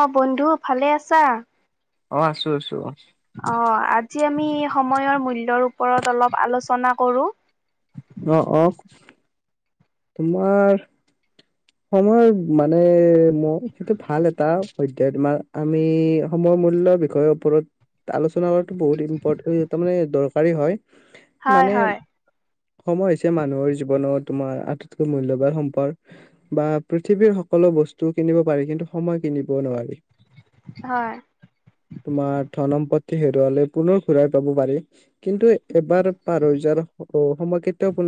অ বন্ধু ভালে আছা। অ আছো আছো। অ আজি আমি সময়ৰ মূল্যৰ ওপৰত অলপ আলোচনা কৰো। অ আহ তোমাৰ সময় মানে মই সেইটো ভাল এটা অধ্যায় তোমাৰ আমি সময় মূল্যৰ বিষয়ৰ ওপৰত আলোচনা কৰাটো বহুত ইম্পটে তাৰ মানে দৰকাৰী হয়। হয় মানে হয় সময় হৈছে মানুহৰ জীৱনৰ তোমাৰ আটাইতকৈ মূল্যবান সম্পদ। বা পৃথিৱীৰ সকলো বস্তু কিনিব পাৰি কিন্তু সময় কিনিবও নোৱাৰি। হয় তোমাৰ, থনম প হেৰুৱালে পুনৰ ঘূৰাই পাব পাৰি। কিন্তু, এবাৰ পাৰ হৈ যোৱাৰ সময় কেতিয়াও পু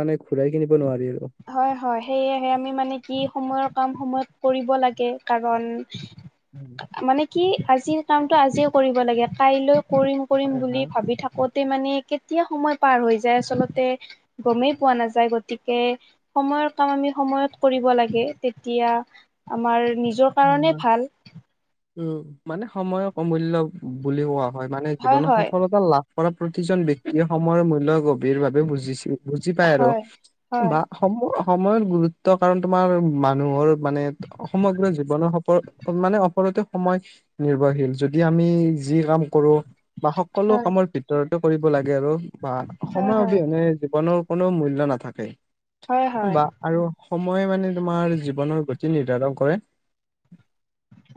মানে, ঘূৰাই কিনিব নোৱাৰি আৰু। হয় হয় সেয়েহে আমি মানে, কি সময়ৰ কাম, সময়ত কৰিব লাগে। কাৰণ মানে [inaudible] কি আজিৰ কামটো আজিয়ে কৰিব লাগে। কাইলৈ কৰিম, কৰিম হয় বুলি ভাবি থাকোঁ মানে, কেতিয়া সময় পাৰ হৈ যায় আচলতে গমেই পোৱা নাযায়। গতিকে, সময়ৰ কাম আমি সময়ত কৰিব লাগে। তেতিয়া আমাৰ নিজৰ হয় কাৰণে ভাল। উম! মানে, সময় অমূল্য বুলি কোৱা হয়। মানে, জীৱনত সফলতা লাভ কৰা প্ৰতিজন ব্যক্তিয়ে সময়ৰ মূল্য গ বাবে বুজিছিল বুজি পাই আৰু। হয় হয় বা সময়, সময়ৰ গুৰু গুৰুত্ব কাৰণ, তোমাৰ মানুহৰ মানে সমগ্ৰ জীৱনৰ মানে, সকলোতে সময় নিৰ্ভৰশীল। যদি, আমি যি কাম কৰোঁ বা সকলো হয় কামৰ ভিতৰত কৰিব লাগে আৰু বা হয় সময় হয় অবিহনে জীৱনৰ কোনো মূল্য নাথাকে। হয় হয় বা আৰু সময়ে মানে, তোমাৰ জীৱনৰ প্ৰ দিশ নিৰ্ধাৰণ কৰে।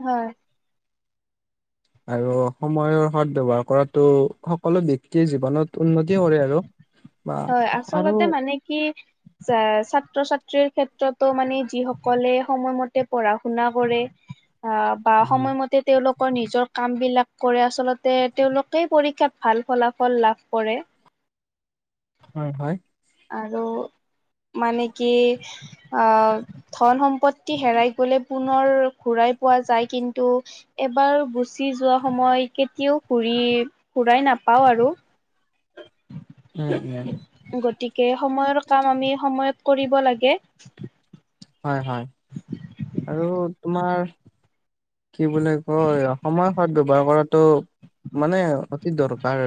হয়! আৰু সময়ৰ সদ ব্যৱহাৰ কৰাতোঁ, সকলো ব্যক্তিয়ে জীৱনত উন্নতি কৰে আৰু। বা হয়। আৰু আচলতে, মানে কি! ছাত্ৰ -ছাত ছাত্ৰী ক্ষেত্ৰতো মানে, যিসকলে সময়মতে পঢ়া- শুনা কৰে। অ'! বা সময়মতে তেওঁলোক নিজৰ কাম বিলাক কৰে। আচলতে, তেওঁলোকেই পৰীক্ষাত ভাল ফলাফল লাভ কৰে। অ'! হয়। আৰু মানে, কি আহ ধন সম্পত্তি তি হেৰাই গ'লে পুনৰ ঘূৰাই পোৱা যায়। কিন্তু, এবাৰ গুচি যোৱা সময় কেতিয়াও ঘূৰি আমি ঘূৰাই নাপাওঁ আৰু। উম! উম! গতিকে, সময়ৰ কাম আমি সময়ত কৰিব লাগে। হয়, হয়। [inaudible] আৰু তোমাৰ কি বুলি কয়, সময় সদ ব্যৱহাৰ কৰাটো মানে, অতি দৰকাৰ।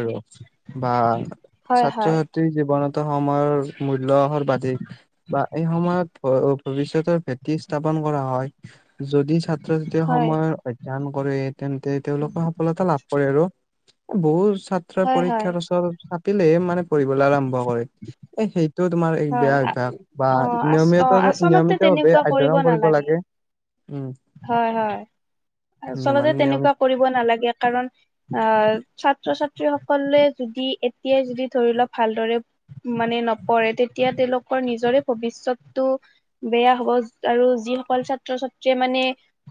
বা হয় ছাত্ৰ হয় -ছাত্ৰী জীৱনত সময়ৰ মূল্য সৰ্বাধিক বা এই সময়ত ভৱিষ্যতৰ ভেটি স্থাপন কৰা হয়। যদি ছাত্ৰ হয় সময় অধ্যয়ন কৰে। তেন্তে, তেওঁলোকে সফলতা লাভ কৰে আৰু। বহুত ছাত্ৰই হয় হয় পৰীক্ষাৰ ওচৰত চাপিলেহে মানে, পঢ়িবলৈ আৰম্ভ কৰে। এ, সেই সেইটো তোমাৰ এক হয় বেয়া অভ্যাস বা অ আ অ নিয়মিত আচলতে নিয়মিতভাৱে তেনেকুৱা অধ্যয়ন কৰিব নালাগে লাগে। উম! হয় হয়। আচলতে, মানে তেনেকুৱা নিয়মিত কৰিব নালাগে। কাৰণ অ'! ছা ছাত্ৰ -ছাত্ৰীসকলে যদি, এতিয়াই যদি, ধৰি লওক ভালদৰে মানে, নপঢ়ে। তেতিয়া তেওঁলোকৰ নিজৰে ভৱিষ্যতটো বেয়া হ'ব আৰু যিসকল ছাত্ৰ -ছাত্ৰীয়ে মানে,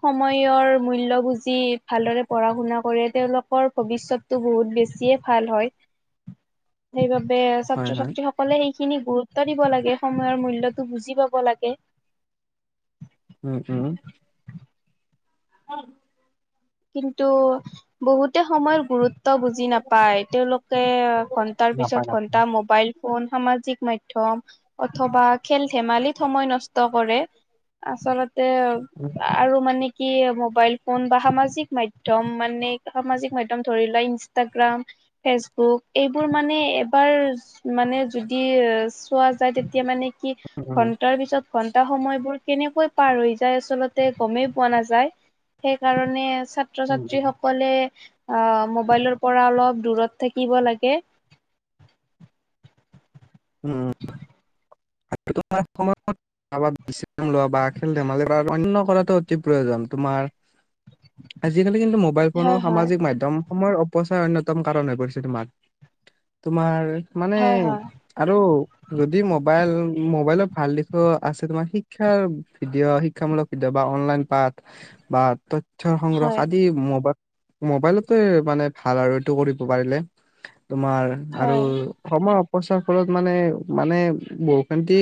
সময়ৰ মূল্যবুজি ভালদৰে পঢ়া -শুনা কৰে। তেওঁলোকৰ ভৱিষ্যত টো বহুত বেছিয়ে ভাল হয়। সেইবাবে, হয়, ছাত্ৰ হয়, ছাত্ৰী সকলে সেইখিনি গুৰুত্ব দিব লাগে, সময়ৰ মূল্য টো বুজি পাব লাগে। উম! উম! [unintelligible] কিন্তু বহুতে সময়ৰ গুৰুত্ব ত্ব বুজি নাপায় তেওঁলোকে ঘন্টাৰ পিছত নাপায় নাপায়। ঘন্টা মোবাইল ফোন সামাজিক মাধ্যম অথবা খেল ধেমালিত সময় নষ্ট কৰে আচলতে উম, আৰু মানে কি মোবাইল ফোন বা সামাজি জিক মাধ্যম মানে সামাজিক মাধ্যম ধৰি লোৱা ইনষ্টাগ্ৰাম ফেচবুক এইবোৰ মানে এবাৰ মানে যদি চোৱা যায় তেতিয়া মানে কি উম, ঘন্টাৰ পিছত ঘন্টা সময়বোৰ কেনেকৈ পাৰ হৈ যায় আচলতে গমেই পোৱা নাযায় সেইকাৰণে ছাত্ৰ উম, ছাত্ৰী উম, সকলে আ মোবাইলৰ পৰা অলপ দূৰত থাকিব লাগে উম তোমাৰ সময়ত বিচি লোৱা বা খেল ধেমালি [unintelligible] অন্য কৰাটো অতি প্ৰয়োজন তোমাৰ আজিকালি কিন্তু মোবাইল ফোন হয় সামাজিক হয় মাধ্যম সময়ৰ অপচয় অন্যতম কাৰণ হৈ পৰিছে তোমাক তোমাৰ মানে হয় আৰু যদি মব মোবাইল মোবাইলত ভাল দিশো আছে তোমাৰ শিক্ষাৰ ভিডিঅ' শিক্ষামূলক ভিডিঅ' বা অনলাইন পা বা ত [unintelligible] সংগ্ৰহ হয় আদি মবাইল মোবাইলতে মানে ভাল আৰু এইটো কৰিব পাৰিলে তোমাৰ হয় আৰু হয় সময় অপচাৰ ফলত মানে মানে বহুখিন দি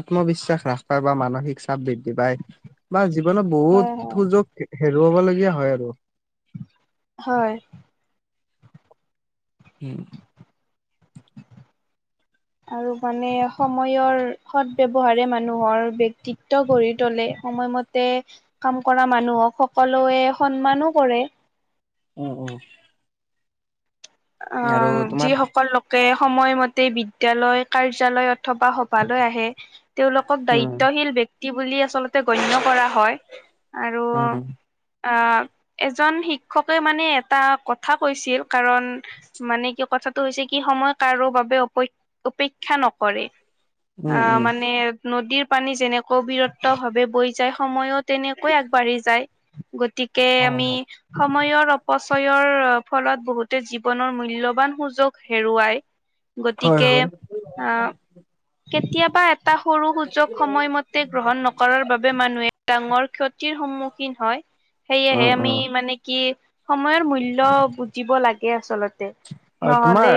আত্মবিশ্বাস হ্ৰাস পাই বা মানসিক চাপ বৃদ্ধি পায় বা জীৱনত বহুত হয় হয় সুযোগ হেৰুৱাব লগীয়া হয় আৰু হয় হম [inaudible] আৰু মানে সময়ৰ সদ ব্যৱহাৰে মানুহৰ ব্যক্তিত্ব গঢ়ি তোলে [unintelligible] সময়মতে কাম কৰা মানুহক সকলোৱে সন্মানো কৰে উম উম অ যিসকল লোক সময়মতে বিদ্যালয় কাৰ্যালয় অথবা সভালৈ আহে তেওঁলোকক উম দায়িত্বশীল ব্যাক্তি বুলি আচলতে গণ্য কৰা হয় আৰু উম আহ এজন শিক্ষকে মানে এটা কথা কৈছিল কাৰণ মানে কি কথাটো হৈছে কি সময় কাৰো বাবে অপে অপেক্ষা নকৰে আ উম উম মানে নদীৰ পানী যেনেকৈ বীৰত্ব ভাৱে বৈ যায় সময়ো তেনেকৈ আগবাঢ়ি যায় গতিকে হয় আমি সময়ৰ অপচয়ৰ ফলত বহুতে জী জীৱনৰ মূল্যবান সুযোগ হেৰুৱাই হয় গতিকে হয় আ কেতিয়াবা এটা সৰু সুযোগ সময়মতে গ্ৰহণ নকৰাৰ বাবে মানুহে ডাঙৰ ক্ষতি সন্মুখীন হয় উম সেয়েহে আমি উম মানে কি সময়ৰ মূল্য বুজিব লাগে আচলতে অ তোমাৰ নহ'লে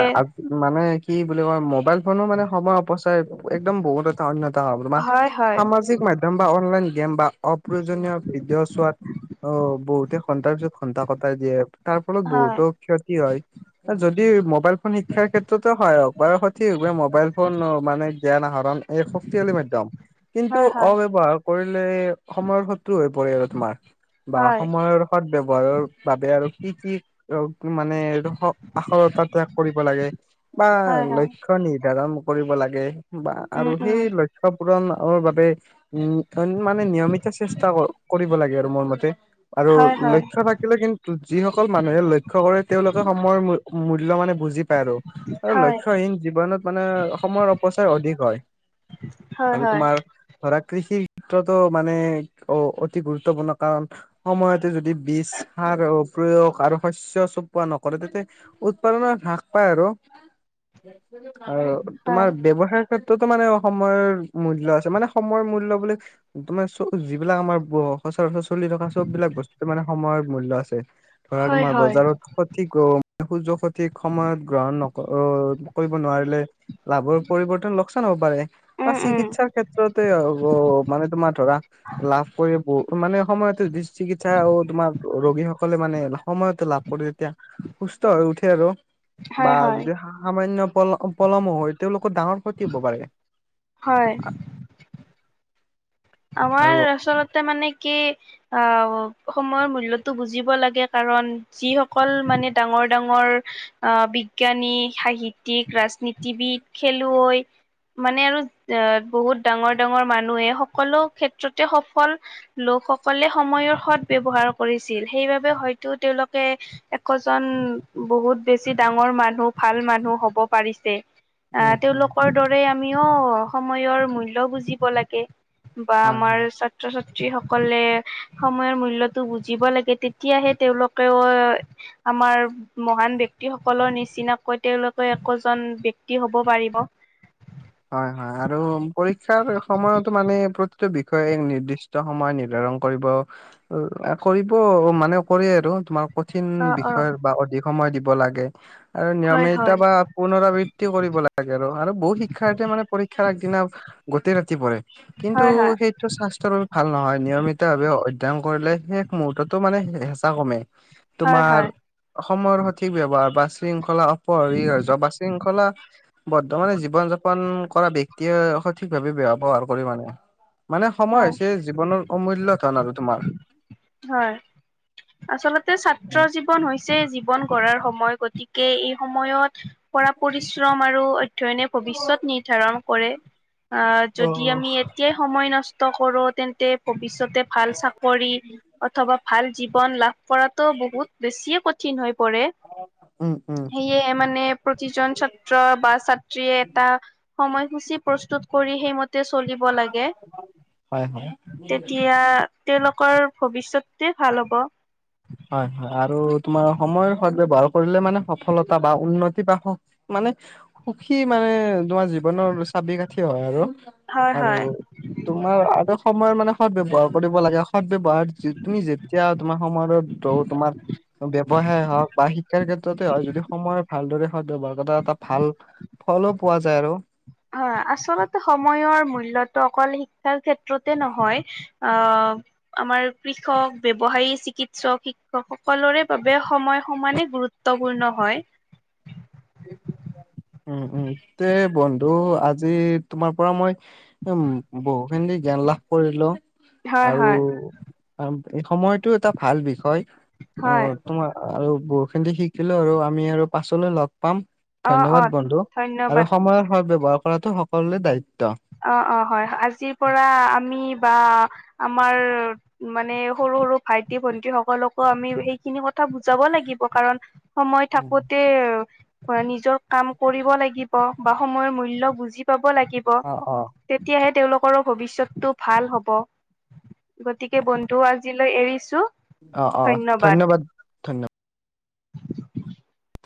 মানে কি বুলি কয় মোবাইল ফোনো মানে সময় অপচয় একদম বহুত এটা অন্যথা হয় হয় সামাজিক মাধ্যম বা অনলাইন গেম বা অপ্ৰয়োজনীয় ভিডিঅ' চোৱাত অ বহুতে সন্ত্ৰাস ঘণ্টা কঁপাই দিয়ে, তাৰ ফলত হয় বহুতো ক্ষতি হয় যদি মবাইল খন শিক্ষাৰ ক্ষেত্ৰতে সহায়ক বা সঠিক ভাৱে মোবাইল ফোন মানে জ্ঞান আহৰণ এই শক্তিশালী মাধ্যম [unintelligible] কিন্তু হয় হয় অব্যবহাৰ কৰিলে সময়ৰ শত্ৰু হৈ পৰে আৰু তোমাৰ বা হয় সময়ৰ সদ ব্যয়ৱহাৰৰ বাবে আৰু কি কি মানে আখৰতা ত্যাগ কৰিব লাগে বা হয় হয়। লক্ষ্য নিৰ্ধাৰণ কৰিব লাগে বা উম আৰু উম সেই লক্ষ্য পূৰণৰ বাবে উ মানে নিয়মিত চেষ্টা কৰিব লাগে আৰু মোৰ মতে আৰু হয় হয় লক্ষ্য থাকিলে কিন্তু যিসকল মানুহে লক্ষ্য কৰে তেওঁলোকে সময়ৰ মূল্য মূল্যবান বুজি পায় আৰু। আৰু হয় লক্ষ্যহীন জীৱনত মানে সময়ৰ অপচয় অধিক হয়। হয় আৰু হয় তোমাৰ ধৰা কৃষি ক্ষেত্ৰতটো মানে অ অতি গুৰুত্বপূৰ্ণ কাৰণ সময়ত যদি বীজ সাৰ প্ৰয়োগ আৰু শস্য চপোৱা নকৰে তাতে উৎপাদনৰ হ্ৰাস পায় আৰু, আৰু তোমাৰ হয় ব্যৱহাৰ ক্ষেত্ৰতো মানে সময়ৰ মূল্য আছে, মানে সময়ৰ মূল্য বুলি তোমাৰ যিবিলাক আমাৰ- সচৰাচৰ চলি থকা সবিলাক বস্তু মানে সময়ৰ মূল্য আছে।। ধৰা হয় তোমাৰ হয় বজাৰত সঠিক সূৰ্য সঠিক সময়ত গ্ৰহণ নক কৰিব নোৱাৰিলে লাভৰ পৰিৱৰ্তন লোকচান হব পাৰে বা উম উম চিকিৎসাৰ ক্ষেত্ৰতে মানে তোমাৰ ধৰা লাভ কৰিব বহু মানে সময়তে চিকিৎসা আৰু তোমাৰ ৰোগীস সকলে মানে সময়তটো লাভ কৰি তেতিয়া সুস্থ হৈ উঠে আৰু। হয় বা হয় যদি সামান্য পলম পলম হয় তেওঁলোকক ডাঙৰ ক্ষতি হ'ব পাৰে। হয়। আৰু আমাৰ আচলতে মানে কি আহ সময়ৰ মূল্যতো বুজিব লাগে কাৰণ যিসকল মানে ডাঙৰ ডাঙৰ আহ বিজ্ঞানী, সাহিত্যিক, ৰাজনীতিবিদ, খেলুৱৈ মানে আৰু অ বহুত ডাঙৰ ডাঙৰ মানুহে সকলো ক্ষেত্ৰতে সল লোকসকলে সময়ৰ সৎ ব্যৱহাৰ কৰিছিল। সেইবাবে হয়তো তেওঁলোকে- এজন বহুত বেছি ডাঙৰ মানুহ ভাল মানুহ হব পাৰিছে। উম আহ উম তেওঁলোকৰ দৰে আমিও সময়ৰ মূল্য বুজিব লাগে। বা হয় আমাৰ হয় ছাত্ৰ ছাত্ৰী যি সকলে সময়ৰ মূল্যটো বুজিব লাগে তেতিয়াহে তেওঁলোকেও আমাৰ মহান- ব্যক্তিসকলৰ নিচিনাকৈ তেওঁলোকে একোজন ব্যক্তি হ'ব পাৰিব। হয় হয় আৰু পৰীক্ষাৰ সময়তো মানে প্ৰতিটো বিষয়ে এক নিৰ্দিষ্ট সময় নি কৰিব কৰিব মানে কৰে আৰু তোমাৰ কঠিন অ', অ', বিষয়ত বা অধিক সময় দিব লাগে। আৰু হয়, নিয়মিতা হয়। বা পুনৰাবৃত্তি কৰিব লাগে আৰু আৰু বহুত শিক্ষা মানে পৰীক্ষাৰ একদিনা গোটেই ৰাতি পঢ়ে। কিন্তু হয়, হয়, সেইটো স্বাস্থ্যৰ বাবে ভাল নহয় নিয়মিতভাৱে- কৰিলে শেষ মুহৰ্ততটো মানে হেঁচা কমে। হয়, তোমাৰ হয়, সময়ৰ সঠিক ব্যৱহাৰ বা শৃংখলা প জবা শৃংখলা বদ্ধমানে জীৱন জাপন কৰা ব্যক্তিয়ে সঠিকভাৱে বৱহাৰ কৰি মানে। মানে সময় হয়, হৈছে জীৱনৰ অমূল্য ধন আৰু তোমাৰ। হয়। আচলতে ছাত্ৰ জীৱন হৈছে জীৱন গঢ়াৰ সময় গতিকে এই সময়ত কৰা পৰিশ্ৰম আৰু অধ্যয়নে ভৱিষয়ত নিৰ্ধাৰণ কৰে। অ যদি আমি এতিয়াই সময় নষ্ট কৰো তেন্তে ভৱিষ্যত যতে ভাল চাকৰি অথবা ভাল জীৱন লাভ কৰাতটো বহুত বেছিয় কঠিন হয়। কৰে উম উম সেয়ে মানে প্ৰতিজন ছাত্ৰ ত্ৰ বা ছাত্ৰীয়ে এটা সময়সূচী প্ৰস্তুত কৰি সেইম চলিব লাগে। হয় হয়। তেতিয়া তেওঁলোকৰ ভৱিষ্যতে ভাল হব। হয় হয় আৰু তোমাৰ সময়ৰ সদ ব্যৱহাৰ কৰিলে মানে সফলতা বা উন্নতি তি সুখ মানে সুখী মানে তোমাৰ জীৱনৰ চাবি কাঠি হয় আৰু হয় আৰু হয় তোমাৰ আৰু সময়ৰ মানে সৎ ব্যৱহাৰ কৰিব লাগে সৎ ব্যৱহাৰ তুমি যেতিয়া তোমাৰ সময় ত তোমাৰ ব্যৱসায় হওক বা শিক্ষাৰ ক্ষেত্ৰতে হওক যদি সময় ভালদৰে বাৰ ক এটা ভাল ফলো পোৱা যায় আৰু হয় আচলতে সময়ৰ মূল্যটো অকল শিক্ষাৰ ক্ষেত্ৰতে নহয় অ আমাৰ কৃষক ব্যৱসায়ী চিকিৎসক শিক্ষক সকলোৰে বাবে সময় সমানে গুৰুত্বপূৰ্ণ হয়। উম উম তে বন্ধু আজি তোমাৰ পৰা মই উ বহুখিনি জ্ঞান লাভ কৰিলো হয় আৰু হয় এই সময়টো এটা ভাল বিষয় অ হয় তোমাৰ আৰু বহু খিনি শিকিলো আৰু আমি আৰু পাছলৈ লগ পাম অ অ ধন্যবাদ বন্ধু আৰু ধন্যবাদ সময়ৰ সত ব্যৱহাৰ কৰাতটো সকলোৰে দায়িত্ব। অ অ হয় আজিৰ পৰা আমি বা আমাৰ মানে সৰু সৰু ভাইটি ভন্টি সকলকো আমি সেইখিনি কথা বুজাব লাগিব কাৰণ সময় থাকোতে নিজৰ কাম কৰিব লাগিব। বা সময়ৰ মূল্য বুজি পাব লাগে। অ অ তেওঁলোকৰো ভৱিষ্যতটো ভাল হব গতিকে বন্ধু আজিলৈ এৰিছো। অ অ ধন্যবাদ ধন্যবাদ। [inaudible]